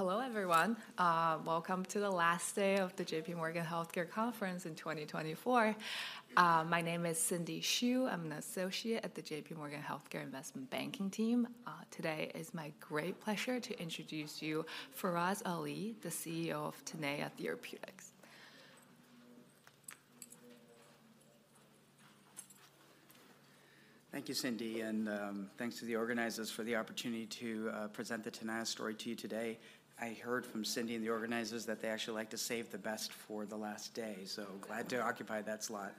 Hello, everyone. Welcome to the last day of the J.P. Morgan Healthcare Conference in 2024. My name is Cindy Xu. I'm an associate at the J.P. Morgan Healthcare investment banking team. Today, it's my great pleasure to introduce you, Faraz Ali, the CEO of Tenaya Therapeutics. Thank you, Cindy, and thanks to the organizers for the opportunity to present the Tenaya story to you today. I heard from Cindy and the organizers that they actually like to save the best for the last day, so glad to occupy that slot.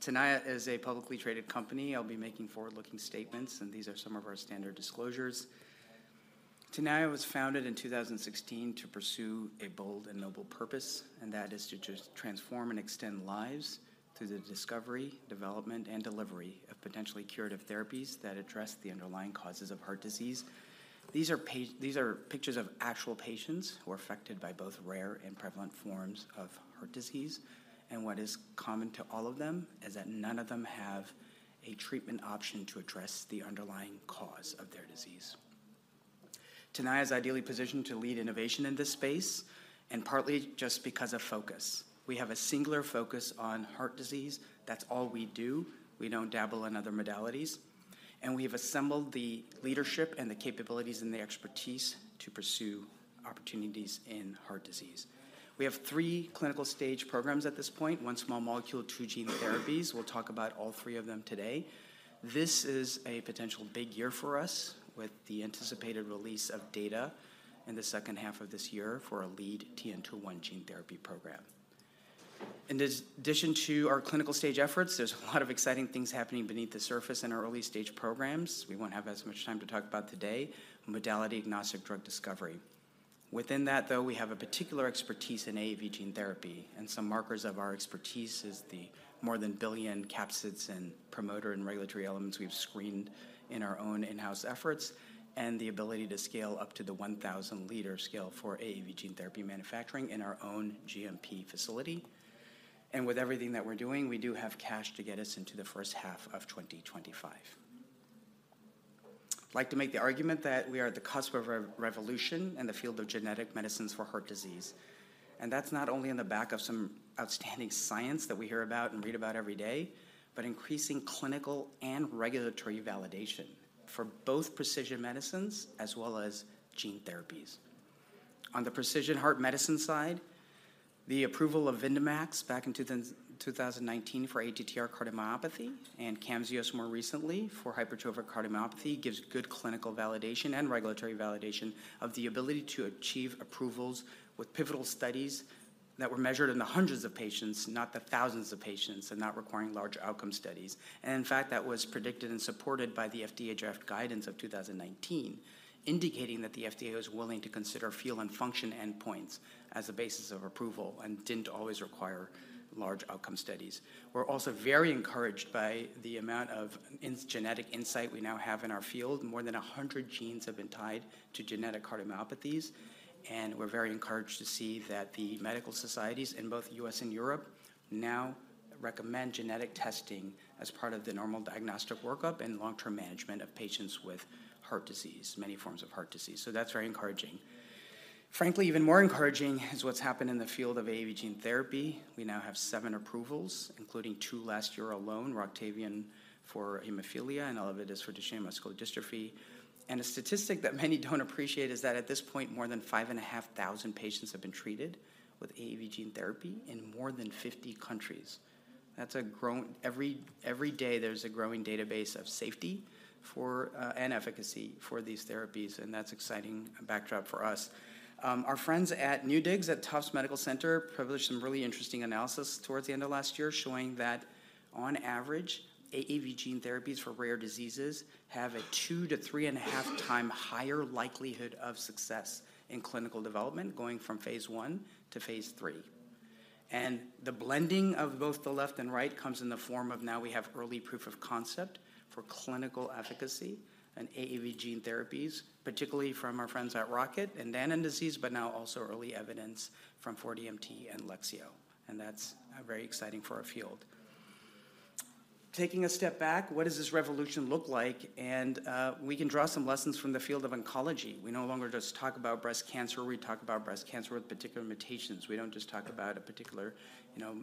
Tenaya is a publicly traded company. I'll be making forward-looking statements, and these are some of our standard disclosures. Tenaya was founded in 2016 to pursue a bold and noble purpose, and that is to just transform and extend lives through the discovery, development, and delivery of potentially curative therapies that address the underlying causes of heart disease. These are pictures of actual patients who are affected by both rare and prevalent forms of heart disease, and what is common to all of them is that none of them have a treatment option to address the underlying cause of their disease. Tenaya is ideally positioned to lead innovation in this space, and partly just because of focus. We have a singular focus on heart disease. That's all we do. We don't dabble in other modalities, and we have assembled the leadership and the capabilities and the expertise to pursue opportunities in heart disease. We have three clinical stage programs at this point, one small molecule, two gene therapies. We'll talk about all three of them today. This is a potential big year for us, with the anticipated release of data in the second half of this year for our lead TN-201 gene therapy program. In addition to our clinical stage efforts, there's a lot of exciting things happening beneath the surface in our early stage programs. We won't have as much time to talk about today, modality-agnostic drug discovery. Within that, though, we have a particular expertise in AAV gene therapy, and some markers of our expertise is the more than billion capsids and promoter and regulatory elements we've screened in our own in-house efforts, and the ability to scale up to the 1,000-liter scale for AAV gene therapy manufacturing in our own GMP facility. And with everything that we're doing, we do have cash to get us into the first half of 2025. I'd like to make the argument that we are at the cusp of a revolution in the field of genetic medicines for heart disease, and that's not only on the back of some outstanding science that we hear about and read about every day, but increasing clinical and regulatory validation for both precision medicines as well as gene therapies. On the precision heart medicine side, the approval of Vyndamax back in 2019 for ATTR cardiomyopathy and CAMZYOS more recently for hypertrophic cardiomyopathy gives good clinical validation and regulatory validation of the ability to achieve approvals with pivotal studies that were measured in the hundreds of patients, not the thousands of patients, and not requiring large outcome studies. And in fact, that was predicted and supported by the FDA draft guidance of 2019, indicating that the FDA was willing to consider feel and function endpoints as a basis of approval and didn't always require large outcome studies. We're also very encouraged by the amount of genetic insight we now have in our field. More than 100 genes have been tied to genetic cardiomyopathies, and we're very encouraged to see that the medical societies in both U.S. and Europe now recommend genetic testing as part of the normal diagnostic workup and long-term management of patients with heart disease, many forms of heart disease. So that's very encouraging. Frankly, even more encouraging is what's happened in the field of AAV gene therapy. We now have 7 approvals, including 2 last year alone, ROCTAVIAN for hemophilia and ELEVIDYS for Duchenne muscular dystrophy. A statistic that many don't appreciate is that at this point, more than 5,500 patients have been treated with AAV gene therapy in more than 50 countries. That's a growing... Every day, there's a growing database of safety for and efficacy for these therapies, and that's exciting backdrop for us. Our friends at NEWDIGS at Tufts Medical Center published some really interesting analysis toward the end of last year, showing that on average, AAV gene therapies for rare diseases have a 2- to 3.5-times higher likelihood of success in clinical development, going from phase I to phase III. The blending of both the left and right comes in the form of now we have early proof of concept for clinical efficacy in AAV gene therapies, particularly from our friends at Rocket in Danon disease, but now also early evidence from 4DMT and Lexeo, and that's very exciting for our field. Taking a step back, what does this revolution look like? We can draw some lessons from the field of oncology. We no longer just talk about breast cancer. We talk about breast cancer with particular mutations. We don't just talk about a particular, you know,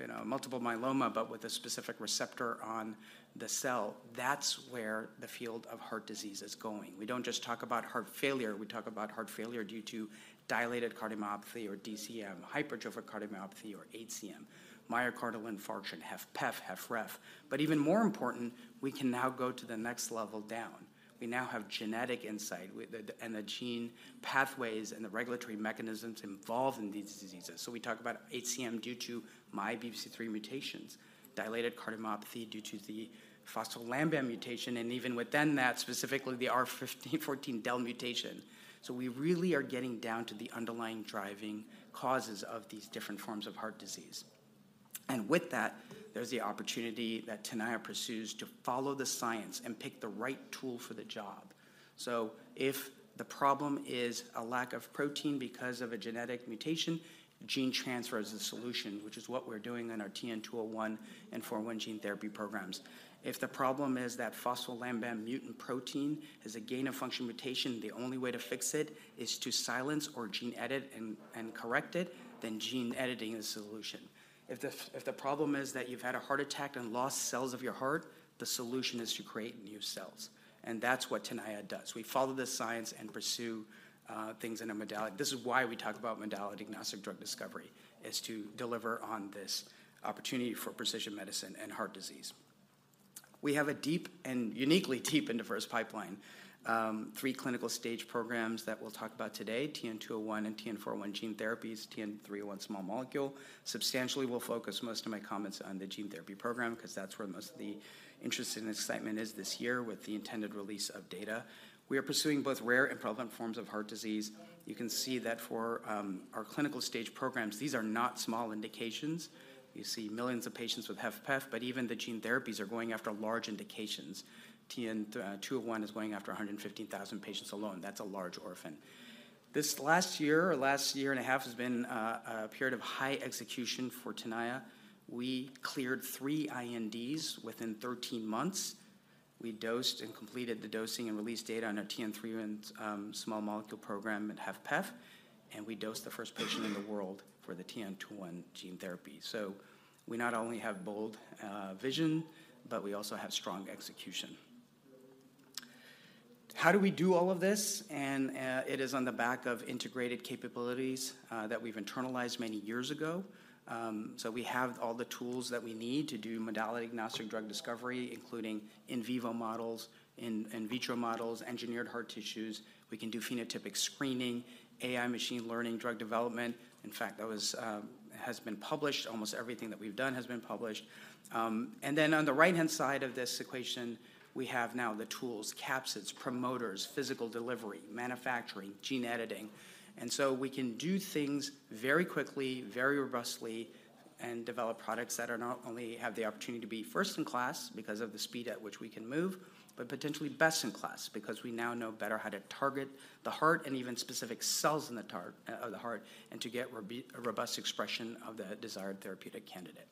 you know, multiple myeloma, but with a specific receptor on the cell. That's where the field of heart disease is going. We don't just talk about heart failure; we talk about heart failure due to dilated cardiomyopathy, or DCM, hypertrophic cardiomyopathy, or HCM, myocardial infarction, HFpEF, HFrEF. But even more important, we can now go to the next level down. We now have genetic insight with the and the gene pathways and the regulatory mechanisms involved in these diseases. So we talk about HCM due to MYBPC3 mutations, dilated cardiomyopathy due to the phospholamban mutation, and even within that, specifically the R14del mutation. So we really are getting down to the underlying driving causes of these different forms of heart disease. And with that, there's the opportunity that Tenaya pursues to follow the science and pick the right tool for the job. So if the problem-... is a lack of protein because of a genetic mutation, gene transfer is the solution, which is what we're doing in our TN-201 and TN-401 gene therapy programs. If the problem is that phospholamban mutant protein has a gain-of-function mutation, the only way to fix it is to silence or gene edit and, and correct it, then gene editing is the solution. If the, if the problem is that you've had a heart attack and lost cells of your heart, the solution is to create new cells, and that's what Tenaya does. We follow the science and pursue things in a modality. This is why we talk about modality-agnostic drug discovery, is to deliver on this opportunity for precision medicine and heart disease. We have a deep and uniquely deep and diverse pipeline. Three clinical stage programs that we'll talk about today: TN-201 and TN-401 gene therapies, TN-301 small molecule. Substantially, we'll focus most of my comments on the gene therapy program 'cause that's where most of the interest and excitement is this year with the intended release of data. We are pursuing both rare and prevalent forms of heart disease. You can see that for our clinical stage programs, these are not small indications. You see millions of patients with HFpEF, but even the gene therapies are going after large indications. TN-201 is going after 115,000 patients alone. That's a large orphan. This last year or last year and a half has been a period of high execution for Tenaya. We cleared 3 INDs within 13 months. We dosed and completed the dosing and release data on our TN-301 small molecule program at HFpEF, and we dosed the first patient in the world for the TN-201 gene therapy. So we not only have bold vision, but we also have strong execution. How do we do all of this? It is on the back of integrated capabilities that we've internalized many years ago. So we have all the tools that we need to do modality-agnostic drug discovery, including in vivo models, in vitro models, engineered heart tissues. We can do phenotypic screening, AI machine learning, drug development. In fact, that has been published. Almost everything that we've done has been published. And then on the right-hand side of this equation, we have now the tools, capsids, promoters, physical delivery, manufacturing, gene editing. So we can do things very quickly, very robustly, and develop products that are not only have the opportunity to be first in class because of the speed at which we can move, but potentially best in class because we now know better how to target the heart and even specific cells in the heart, and to get a robust expression of the desired therapeutic candidate.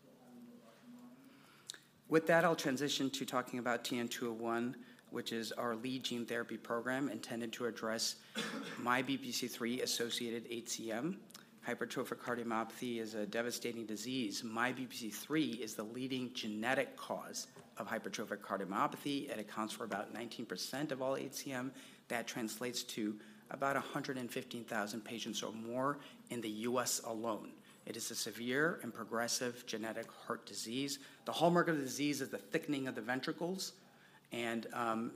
With that, I'll transition to talking about TN-201, which is our lead gene therapy program intended to address MYBPC3-associated HCM. Hypertrophic cardiomyopathy is a devastating disease. MYBPC3 is the leading genetic cause of hypertrophic cardiomyopathy, and it accounts for about 19% of all HCM. That translates to about 115,000 patients or more in the U.S. alone. It is a severe and progressive genetic heart disease. The hallmark of the disease is the thickening of the ventricles and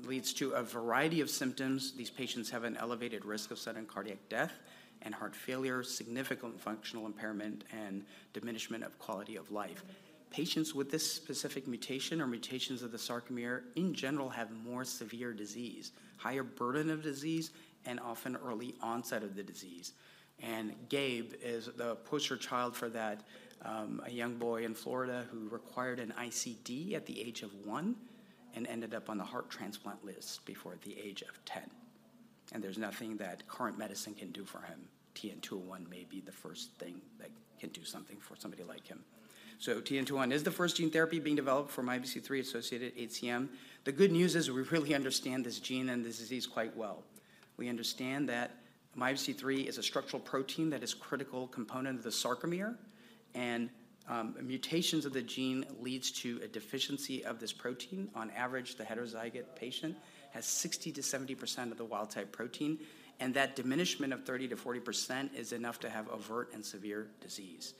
leads to a variety of symptoms. These patients have an elevated risk of sudden cardiac death and heart failure, significant functional impairment, and diminishment of quality of life. Patients with this specific mutation or mutations of the sarcomere in general have more severe disease, higher burden of disease, and often early onset of the disease. And Gabe is the poster child for that, a young boy in Florida who required an ICD at the age of one and ended up on the heart transplant list before the age of 10, and there's nothing that current medicine can do for him. TN-201 may be the first thing that can do something for somebody like him. So TN-201 is the first gene therapy being developed for MYBPC3-associated HCM. The good news is we really understand this gene and this disease quite well. We understand that MYBPC3 is a structural protein that is critical component of the sarcomere, and mutations of the gene leads to a deficiency of this protein. On average, the heterozygote patient has 60%-70% of the wild-type protein, and that diminishment of 30%-40% is enough to have overt and severe disease.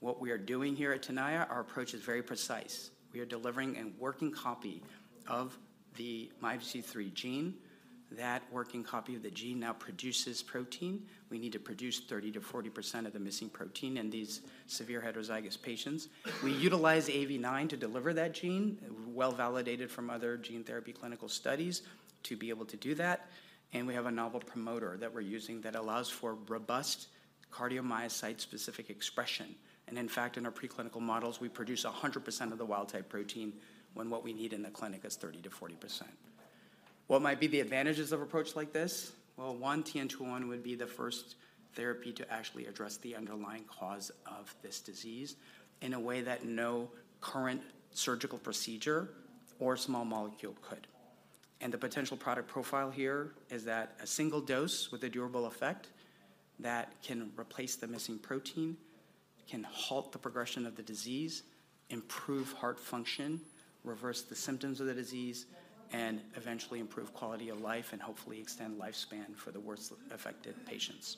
What we are doing here at Tenaya, our approach is very precise. We are delivering a working copy of the MYBPC3 gene. That working copy of the gene now produces protein. We need to produce 30%-40% of the missing protein in these severe heterozygous patients. We utilize AAV9 to deliver that gene, well-validated from other gene therapy clinical studies, to be able to do that, and we have a novel promoter that we're using that allows for robust cardiomyocyte-specific expression. And in fact, in our preclinical models, we produce 100% of the wild-type protein when what we need in the clinic is 30%-40%. What might be the advantages of approach like this? Well, one, TN-201 would be the first therapy to actually address the underlying cause of this disease in a way that no current surgical procedure or small molecule could. The potential product profile here is that a single dose with a durable effect that can replace the missing protein, can halt the progression of the disease, improve heart function, reverse the symptoms of the disease, and eventually improve quality of life, and hopefully extend lifespan for the worst affected patients.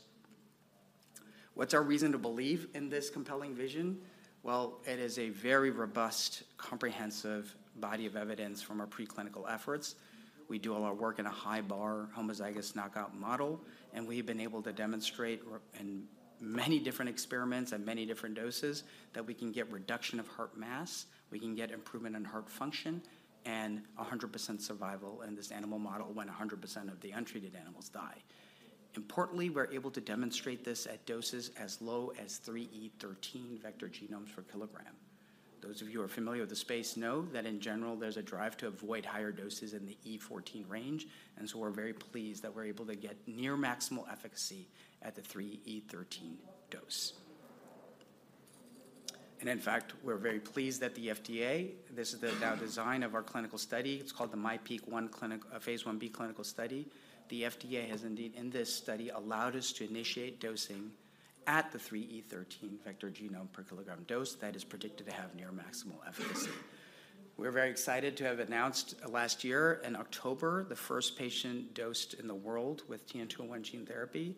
What's our reason to believe in this compelling vision? Well, it is a very robust, comprehensive body of evidence from our preclinical efforts. We do all our work in a high-bar homozygous knockout model, and we've been able to demonstrate in many different experiments and many different doses, that we can get reduction of heart mass, we can get improvement in heart function, and 100% survival in this animal model when 100% of the untreated animals die. Importantly, we're able to demonstrate this at doses as low as 3 × 10^13 vector genomes per kilogram. Those of you who are familiar with the space know that in general, there's a drive to avoid higher doses in the 10^14 range, and so we're very pleased that we're able to get near maximal efficacy at the 3 × 10^13 dose. And in fact, we're very pleased that the FDA, this is the IND design of our clinical study. It's called the MyPEAK-1, Phase 1b clinical study. The FDA has indeed, in this study, allowed us to initiate dosing at the 3 × 10^13 vector genome per kilogram dose that is predicted to have near maximal efficacy. We're very excited to have announced last year in October, the first patient dosed in the world with TN-201 gene therapy,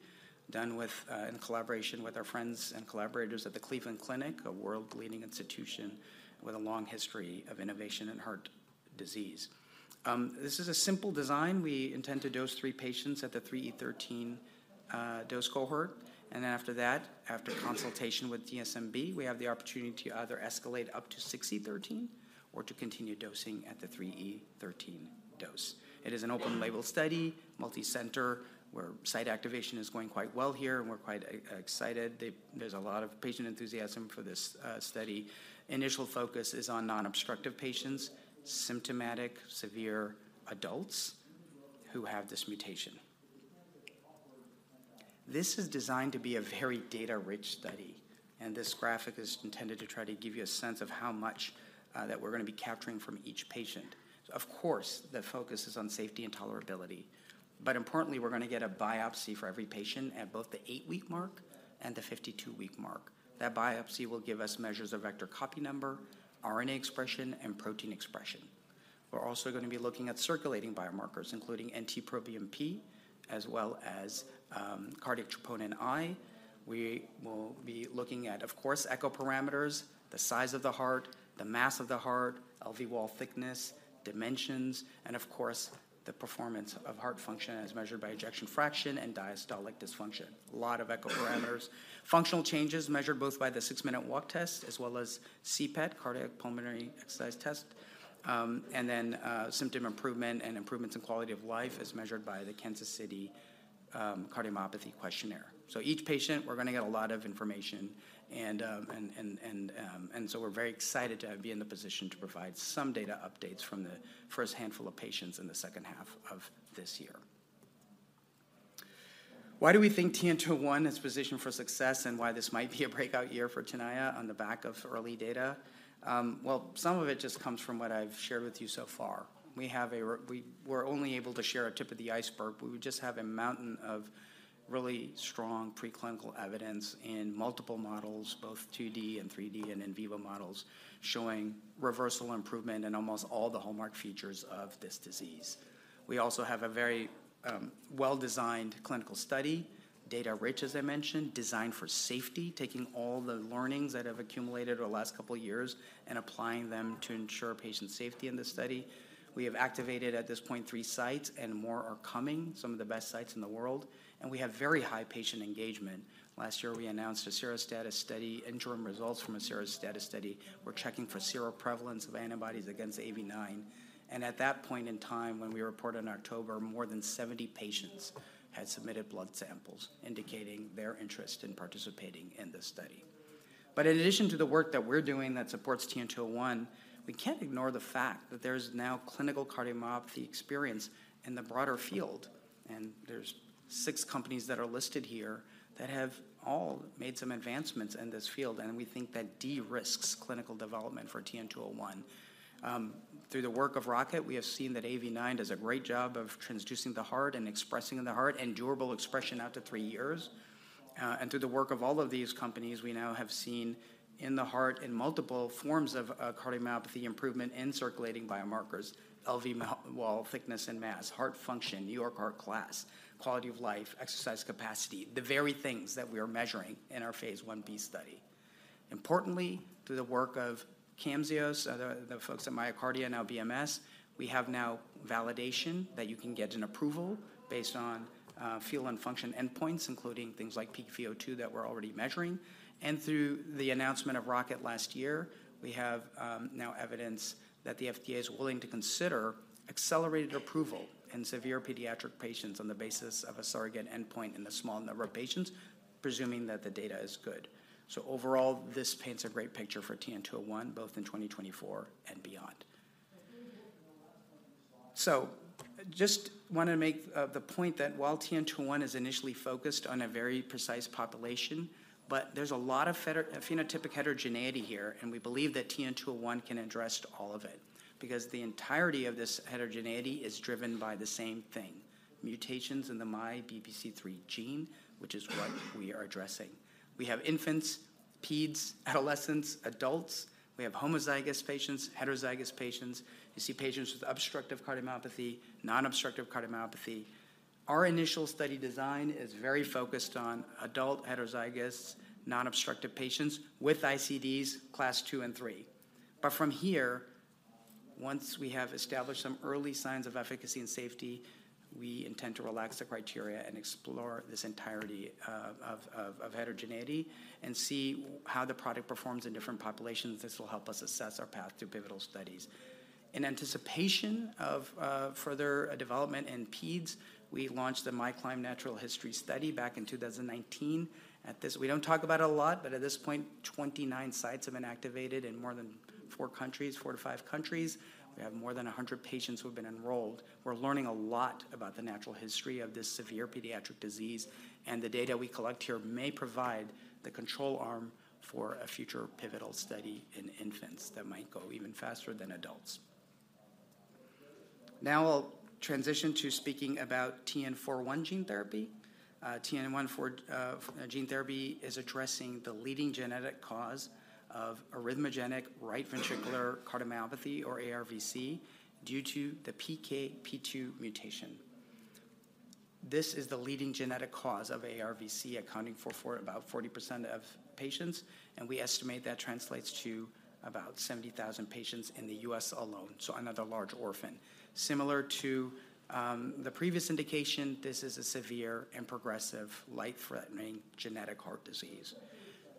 done in collaboration with our friends and collaborators at the Cleveland Clinic, a world-leading institution with a long history of innovation in heart disease. This is a simple design. We intend to dose three patients at the 3 E13 dose cohort, and after that, after consultation with DSMB, we have the opportunity to either escalate up to 6 E13 or to continue dosing at the 3 E13 dose. It is an open-label study, multicenter, where site activation is going quite well here, and we're quite excited. There's a lot of patient enthusiasm for this study. Initial focus is on non-obstructive patients, symptomatic, severe adults who have this mutation. This is designed to be a very data-rich study, and this graphic is intended to try to give you a sense of how much that we're gonna be capturing from each patient. Of course, the focus is on safety and tolerability. But importantly, we're gonna get a biopsy for every patient at both the 8-week mark and the 52-week mark. That biopsy will give us measures of vector copy number, RNA expression, and protein expression. We're also gonna be looking at circulating biomarkers, including NT-proBNP, as well as cardiac troponin I. We will be looking at, of course, echo parameters, the size of the heart, the mass of the heart, LV wall thickness, dimensions, and of course, the performance of heart function as measured by ejection fraction and diastolic dysfunction. A lot of echo parameters. Functional changes measured both by the six-minute walk test as well as CPET, cardiopulmonary exercise test, and then symptom improvement and improvements in quality of life as measured by the Kansas City Cardiomyopathy Questionnaire. So each patient, we're gonna get a lot of information, and so we're very excited to be in the position to provide some data updates from the first handful of patients in the second half of this year. Why do we think TN-201 is positioned for success, and why this might be a breakout year for Tenaya on the back of early data? Well, some of it just comes from what I've shared with you so far. We were only able to share a tip of the iceberg. We would just have a mountain of really strong preclinical evidence in multiple models, both 2D and 3D and in vivo models, showing reversal improvement in almost all the hallmark features of this disease. We also have a very, well-designed clinical study, data-rich, as I mentioned, designed for safety, taking all the learnings that have accumulated over the last couple of years and applying them to ensure patient safety in this study. We have activated, at this point, 3 sites, and more are coming, some of the best sites in the world, and we have very high patient engagement. Last year, we announced a serostatus study, interim results from a serostatus study. We're checking for seroprevalence of antibodies against AAV9. And at that point in time, when we reported in October, more than 70 patients had submitted blood samples, indicating their interest in participating in this study. But in addition to the work that we're doing that supports TN-201, we can't ignore the fact that there's now clinical cardiomyopathy experience in the broader field, and there's 6 companies that are listed here that have all made some advancements in this field, and we think that de-risks clinical development for TN-201. Through the work of Rocket, we have seen that AAV9 does a great job of transducing the heart and expressing in the heart and durable expression out to 3 years. And through the work of all of these companies, we now have seen in the heart in multiple forms of cardiomyopathy improvement in circulating biomarkers, LV wall thickness and mass, heart function, New York Heart Association class, quality of life, exercise capacity, the very things that we are measuring in our phase 1b study. Importantly, through the work of CAMZYOS, the folks at MyoKardia, now BMS, we have now validation that you can get an approval based on relief and function endpoints, including things like peak VO2 that we're already measuring. And through the announcement of Rocket last year, we have now evidence that the FDA is willing to consider accelerated approval in severe pediatric patients on the basis of a surrogate endpoint in a small number of patients, presuming that the data is good. So overall, this paints a great picture for TN-201, both in 2024 and beyond. So just wanna make the point that while TN-201 is initially focused on a very precise population, but there's a lot of phenotypic heterogeneity here, and we believe that TN-201 can address all of it because the entirety of this heterogeneity is driven by the same thing: mutations in the MYBPC3 gene, which is what we are addressing. We have infants, peds, adolescents, adults. We have homozygous patients, heterozygous patients. You see patients with obstructive cardiomyopathy, non-obstructive cardiomyopathy. Our initial study design is very focused on adult heterozygous, non-obstructive patients with ICDs Class two and three. But from here, once we have established some early signs of efficacy and safety, we intend to relax the criteria and explore this entirety of heterogeneity and see how the product performs in different populations. This will help us assess our path through pivotal studies... In anticipation of further development in peds, we launched the MyCLIMB Natural History Study back in 2019. At this, we don't talk about it a lot, but at this point, 29 sites have been activated in more than 4 countries, 4-5 countries. We have more than 100 patients who have been enrolled. We're learning a lot about the natural history of this severe pediatric disease, and the data we collect here may provide the control arm for a future pivotal study in infants that might go even faster than adults. Now, I'll transition to speaking about TN-401 gene therapy. TN-401 gene therapy is addressing the leading genetic cause of arrhythmogenic right ventricular cardiomyopathy, or ARVC, due to the PKP2 mutation. This is the leading genetic cause of ARVC, accounting for about 40% of patients, and we estimate that translates to about 70,000 patients in the U.S. alone, so another large orphan. Similar to the previous indication, this is a severe and progressive, life-threatening genetic heart disease.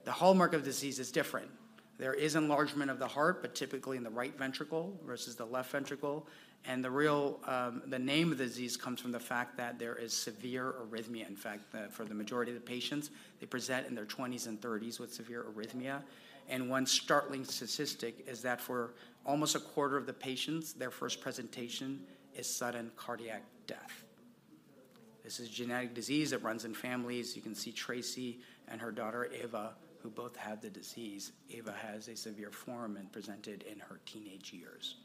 The hallmark of disease is different. There is enlargement of the heart, but typically in the right ventricle versus the left ventricle, and the name of the disease comes from the fact that there is severe arrhythmia. In fact, for the majority of the patients, they present in their twenties and thirties with severe arrhythmia. And one startling statistic is that for almost a quarter of the patients, their first presentation is sudden cardiac death. This is a genetic disease that runs in families. You can see Tracy and her daughter, Ava, who both have the disease. Ava has a severe form and presented in her teenage years.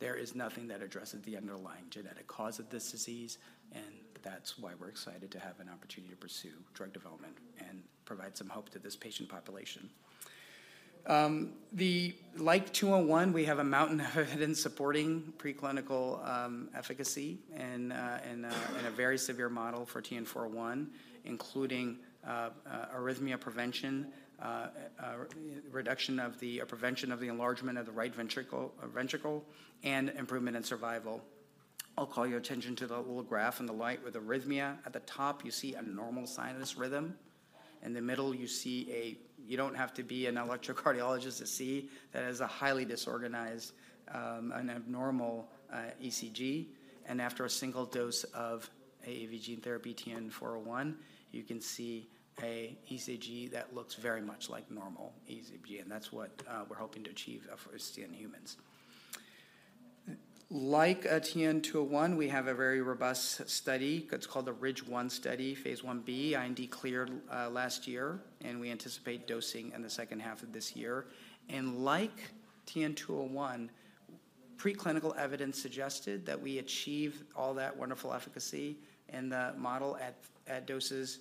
There is nothing that addresses the underlying genetic cause of this disease, and that's why we're excited to have an opportunity to pursue drug development and provide some hope to this patient population. Like TN-201, we have a mountain of evidence supporting preclinical efficacy in a very severe model for TN-401, including arrhythmia prevention, prevention of the enlargement of the right ventricle, and improvement in survival. I'll call your attention to the little graph on the right with arrhythmia. At the top, you see a normal sinus rhythm. In the middle, you see. You don't have to be an electrocardiologist to see that is a highly disorganized, an abnormal, ECG. After a single dose of AAV gene therapy, TN-401, you can see an ECG that looks very much like normal ECG, and that's what we're hoping to achieve for in humans. Like, TN-201, we have a very robust study. It's called the RIDGE-1 Study, Phase 1b, IND cleared last year, and we anticipate dosing in the second half of this year. And like TN-201, preclinical evidence suggested that we achieve all that wonderful efficacy in the model at doses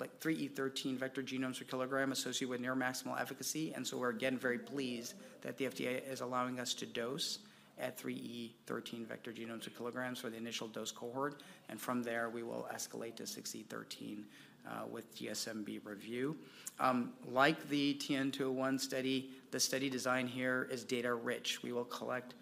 like 3 × 10^13 vector genomes per kilogram associated with near maximal efficacy. We're again very pleased that the FDA is allowing us to dose at 3 × 10^13 vector genomes per kilograms for the initial dose cohort. From there, we will escalate to 6 × 10^13 with DSMB review. Like the TN-201 study, the study design here is data-rich. We will collect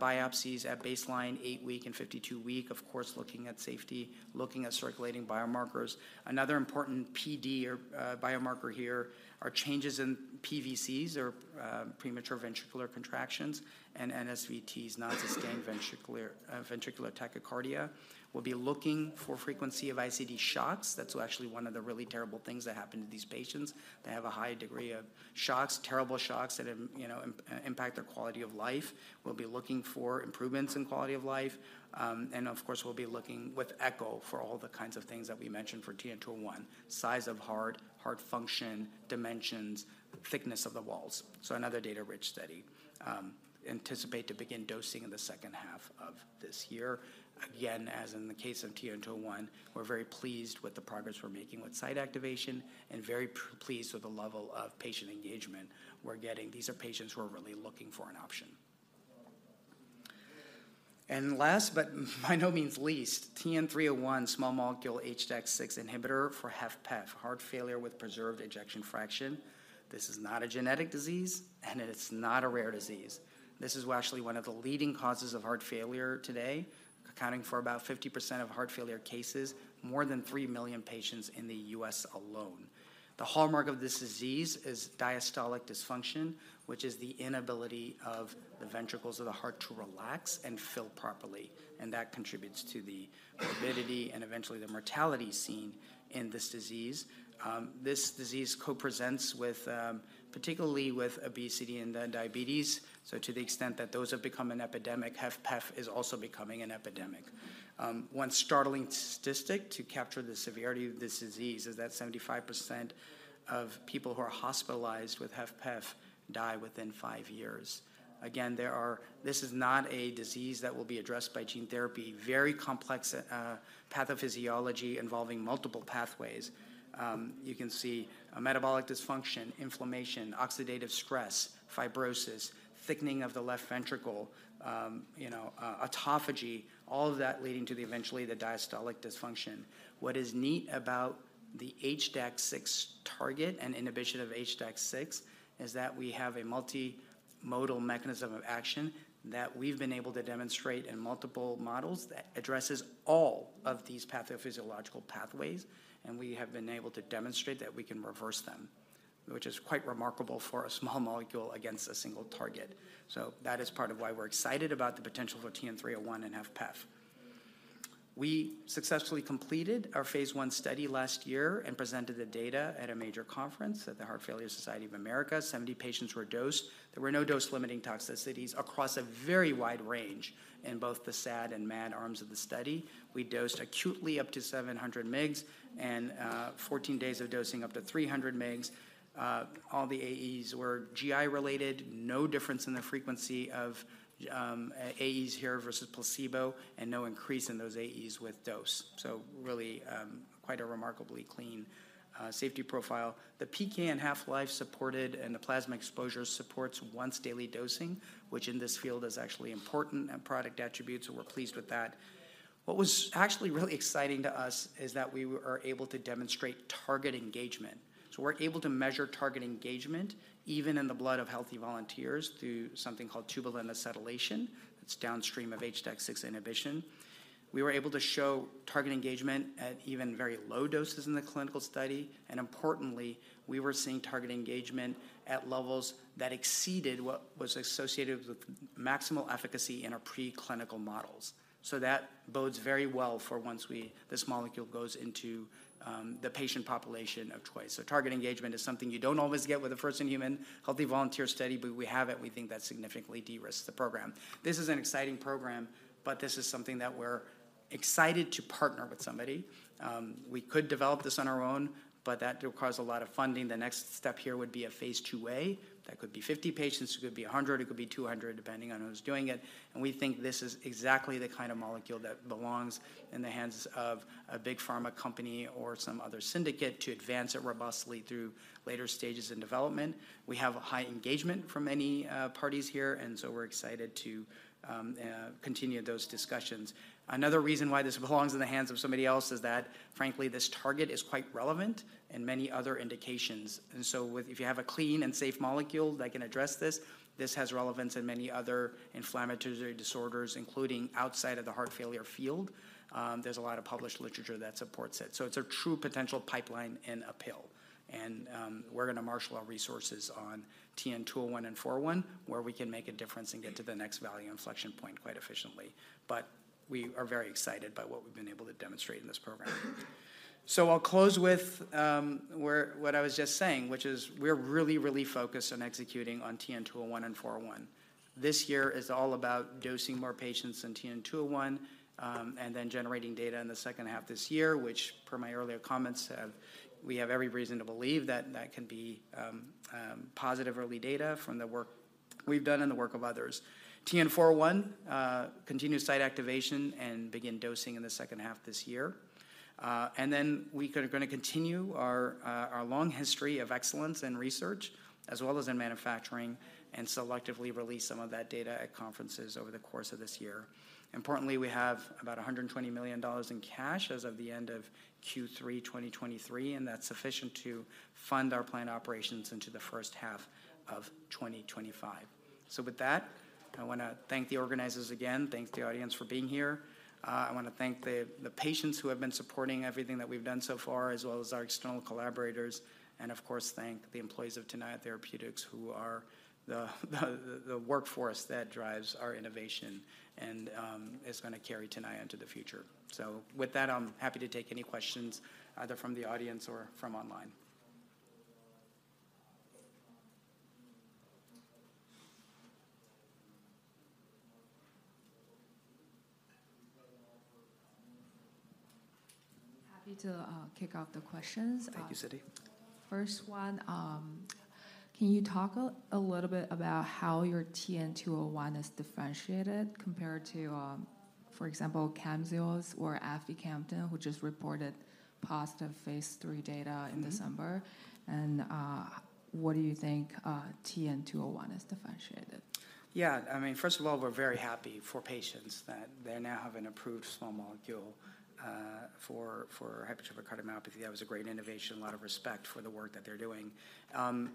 biopsies at baseline, 8-week, and 52-week, of course, looking at safety, looking at circulating biomarkers. Another important PD or biomarker here are changes in PVCs, or premature ventricular contractions, and NSVTs, non-sustained ventricular tachycardia. We'll be looking for frequency of ICD shocks. That's actually one of the really terrible things that happen to these patients. They have a high degree of shocks, terrible shocks that you know impact their quality of life. We'll be looking for improvements in quality of life, and of course, we'll be looking with echo for all the kinds of things that we mentioned for TN-201: size of heart, heart function, dimensions, thickness of the walls. So another data-rich study. Anticipate to begin dosing in the second half of this year. Again, as in the case of TN-201, we're very pleased with the progress we're making with site activation and very pleased with the level of patient engagement we're getting. These are patients who are really looking for an option. And last, but by no means least, TN-301, small molecule HDAC6 inhibitor for HFpEF, heart failure with preserved ejection fraction. This is not a genetic disease, and it is not a rare disease. This is actually one of the leading causes of heart failure today, accounting for about 50% of heart failure cases, more than 3 million patients in the U.S. alone. The hallmark of this disease is diastolic dysfunction, which is the inability of the ventricles of the heart to relax and fill properly, and that contributes to the morbidity and eventually the mortality seen in this disease. This disease co-presents with, particularly with obesity and then diabetes. So to the extent that those have become an epidemic, HFpEF is also becoming an epidemic. One startling statistic to capture the severity of this disease is that 75% of people who are hospitalized with HFpEF die within five years. Again, this is not a disease that will be addressed by gene therapy. Very complex pathophysiology involving multiple pathways. You can see a metabolic dysfunction, inflammation, oxidative stress, fibrosis, thickening of the left ventricle, you know, autophagy, all of that leading to the eventually the diastolic dysfunction. What is neat about the HDAC6 target and inhibition of HDAC6 is that we have a multimodal mechanism of action that we've been able to demonstrate in multiple models that addresses all of these pathophysiological pathways, and we have been able to demonstrate that we can reverse them, which is quite remarkable for a small molecule against a single target. So that is part of why we're excited about the potential for TN-301 and HFpEF. We successfully completed our phase I study last year and presented the data at a major conference at the Heart Failure Society of America. 70 patients were dosed. There were no dose-limiting toxicities across a very wide range in both the SAD and MAD arms of the study. We dosed acutely up to 700 mg, and 14 days of dosing up to 300 mg. All the AEs were GI-related. No difference in the frequency of AEs here versus placebo, and no increase in those AEs with dose. So really, quite a remarkably clean safety profile. The PK and half-life supported, and the plasma exposure supports once-daily dosing, which in this field is actually important in product attributes, so we're pleased with that. What was actually really exciting to us is that we are able to demonstrate target engagement. So we're able to measure target engagement even in the blood of healthy volunteers through something called tubulin acetylation. That's downstream of HDAC6 inhibition. We were able to show target engagement at even very low doses in the clinical study, and importantly, we were seeing target engagement at levels that exceeded what was associated with maximal efficacy in our preclinical models. So that bodes very well for once this molecule goes into the patient population of choice. So target engagement is something you don't always get with a first-in-human healthy volunteer study, but we have it, and we think that significantly de-risks the program. This is an exciting program, but this is something that we're excited to partner with somebody. We could develop this on our own, but that will cause a lot of funding. The next step here would be a phase IIa. That could be 50 patients, it could be 100, it could be 200, depending on who's doing it. We think this is exactly the kind of molecule that belongs in the hands of a big pharma company or some other syndicate to advance it robustly through later stages in development. We have high engagement from many parties here, and so we're excited to continue those discussions. Another reason why this belongs in the hands of somebody else is that, frankly, this target is quite relevant in many other indications. And so, if you have a clean and safe molecule that can address this, this has relevance in many other inflammatory disorders, including outside of the heart failure field. There's a lot of published literature that supports it. So it's a true potential pipeline in a pill. We're gonna marshal our resources on TN-201 and 401, where we can make a difference and get to the next value inflection point quite efficiently. But we are very excited by what we've been able to demonstrate in this program. So I'll close with what I was just saying, which is we're really, really focused on executing on TN-201 and 401. This year is all about dosing more patients in TN-201, and then generating data in the second half of this year, which, per my earlier comments, we have every reason to believe that that can be positive early data from the work we've done and the work of others. TN-401, continue site activation and begin dosing in the second half of this year. And then we gonna continue our our long history of excellence in research, as well as in manufacturing, and selectively release some of that data at conferences over the course of this year. Importantly, we have about $120 million in cash as of the end of Q3 2023, and that's sufficient to fund our planned operations into the first half of 2025. So with that, I wanna thank the organizers again, thank the audience for being here. I wanna thank the patients who have been supporting everything that we've done so far, as well as our external collaborators, and of course, thank the employees of Tenaya Therapeutics, who are the workforce that drives our innovation and is gonna carry Tenaya into the future. With that, I'm happy to take any questions, either from the audience or from online. Happy to kick off the questions. Thank you, Cindy. First one, can you talk a little bit about how your TN-201 is differentiated compared to, for example, CAMZYOS or aficamten, which has reported positive phase 3 data in December? Mm-hmm. What do you think, TN-201 is differentiated? Yeah, I mean, first of all, we're very happy for patients that they now have an approved small molecule for hypertrophic cardiomyopathy. That was a great innovation, a lot of respect for the work that they're doing.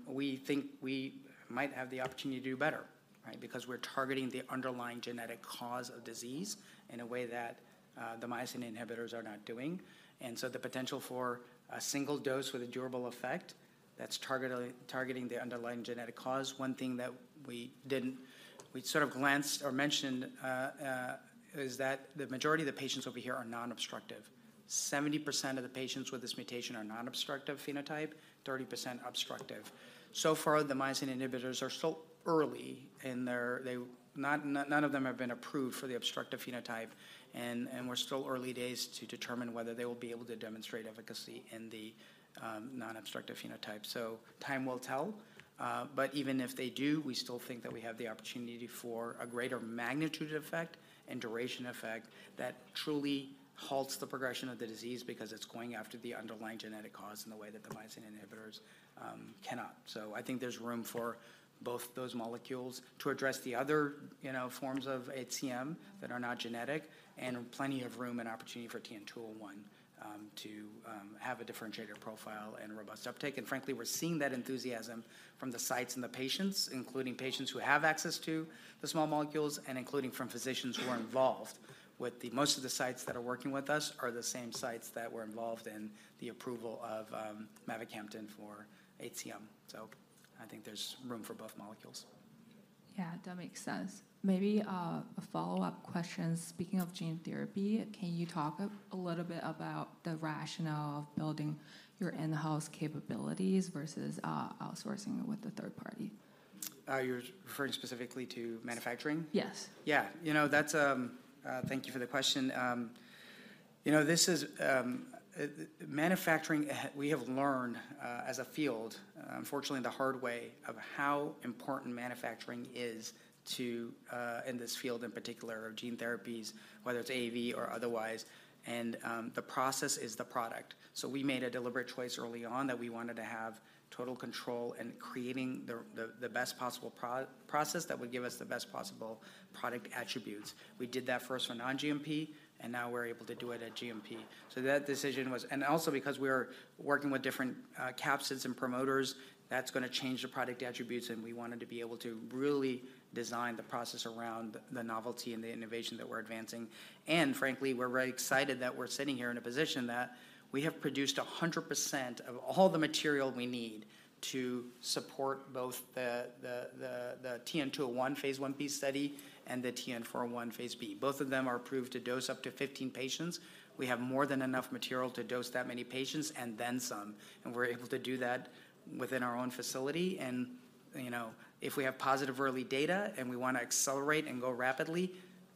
We think we might have the opportunity to do better, right? Because we're targeting the underlying genetic cause of disease in a way that the myosin inhibitors are not doing. And so the potential for a single dose with a durable effect, that's targeting the underlying genetic cause. One thing that we sort of glanced or mentioned is that the majority of the patients over here are non-obstructive. 70% of the patients with this mutation are non-obstructive phenotype, 30% obstructive. So far, none of them have been approved for the obstructive phenotype, and we're still early days to determine whether they will be able to demonstrate efficacy in the non-obstructive phenotype. So time will tell, but even if they do, we still think that we have the opportunity for a greater magnitude effect and duration effect that truly halts the progression of the disease because it's going after the underlying genetic cause in the way that the myosin inhibitors cannot. So I think there's room for both those molecules to address the other, you know, forms of HCM that are not genetic, and plenty of room and opportunity for TN-201 to have a differentiator profile and robust uptake. Frankly, we're seeing that enthusiasm from the sites and the patients, including patients who have access to the small molecules, and including from physicians who are involved. With the most of the sites that are working with us are the same sites that were involved in the approval of mavacamten for HCM. So I think there's room for both molecules.... Yeah, that makes sense. Maybe a follow-up question, speaking of gene therapy, can you talk a little bit about the rationale of building your in-house capabilities versus outsourcing with a third party? You're referring specifically to manufacturing? Yes. Yeah. You know, that's, thank you for the question. You know, this is manufacturing, we have learned, as a field, unfortunately the hard way, of how important manufacturing is to, in this field in particular of gene therapies, whether it's AAV or otherwise, and, the process is the product. So we made a deliberate choice early on that we wanted to have total control in creating the, the, the best possible process that would give us the best possible product attributes. We did that first for non-GMP, and now we're able to do it at GMP. So that decision was-- And also because we are working with different, capsids and promoters, that's gonna change the product attributes, and we wanted to be able to really design the process around the novelty and the innovation that we're advancing. Frankly, we're very excited that we're sitting here in a position that we have produced 100% of all the material we need to support both the TN-201 phase 1b study and the TN-401 phase 1b. Both of them are approved to dose up to 15 patients. We have more than enough material to dose that many patients, and then some, and we're able to do that within our own facility. You know, if we have positive early data and we wanna accelerate and go rapidly,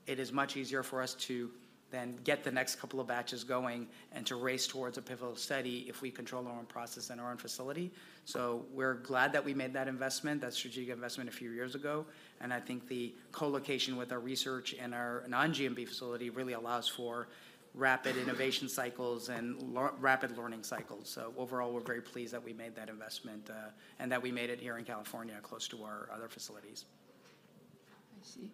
it is much easier for us to then get the next couple of batches going and to race towards a pivotal study if we control our own process in our own facility. So we're glad that we made that investment, that strategic investment a few years ago, and I think the co-location with our research and our non-GMP facility really allows for rapid innovation cycles and rapid learning cycles. So overall, we're very pleased that we made that investment, and that we made it here in California, close to our other facilities. I see.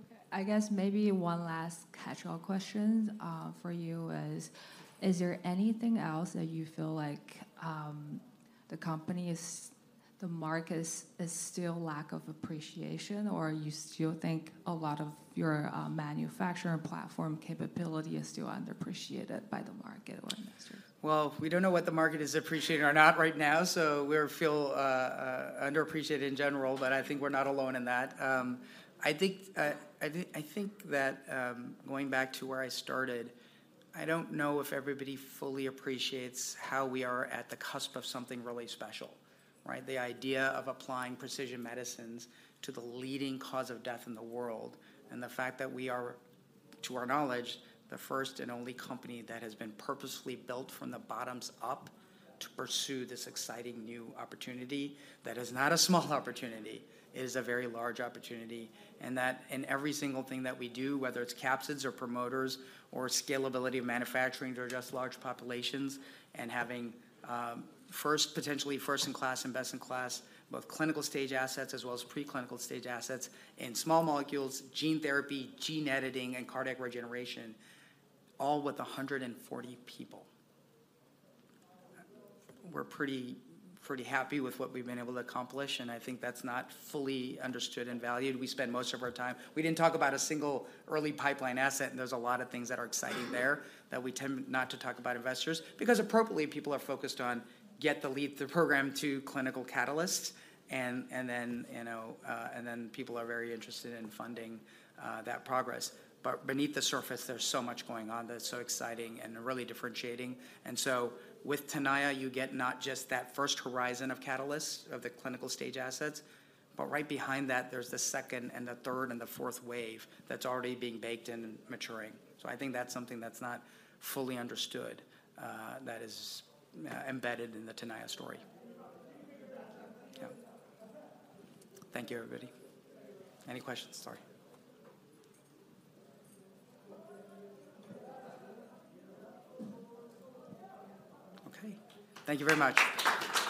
Okay, I guess maybe one last catch-all question for you is: Is there anything else that you feel like the market is still lack of appreciation, or you still think a lot of your manufacturing platform capability is still underappreciated by the market or investors? Well, we don't know what the market is appreciating or not right now, so we're feeling underappreciated in general, but I think we're not alone in that. I think that, going back to where I started, I don't know if everybody fully appreciates how we are at the cusp of something really special, right? The idea of applying precision medicines to the leading cause of death in the world, and the fact that we are, to our knowledge, the first and only company that has been purposefully built from the bottoms up to pursue this exciting new opportunity, that is not a small opportunity, it is a very large opportunity. And that in every single thing that we do, whether it's capsids or promoters or scalability of manufacturing to address large populations and having, first-- potentially first-in-class and best-in-class, both clinical stage assets as well as preclinical stage assets in small molecules, gene therapy, gene editing, and cardiac regeneration, all with 140 people. We're pretty, pretty happy with what we've been able to accomplish, and I think that's not fully understood and valued. We spend most of our time... We didn't talk about a single early pipeline asset, and there's a lot of things that are exciting there that we tend not to talk about investors. Because appropriately, people are focused on get the lead, the program to clinical catalysts, and then, you know, and then people are very interested in funding, that progress. But beneath the surface, there's so much going on that's so exciting and really differentiating. And so with Tenaya, you get not just that first horizon of catalysts, of the clinical stage assets, but right behind that, there's the second and the third and the fourth wave that's already being baked in and maturing. So I think that's something that's not fully understood, that is, embedded in the Tenaya story. Yeah. Thank you, everybody. Any questions? Sorry. Okay, thank you very much.